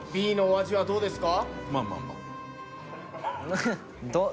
Ｃのお味どうですか？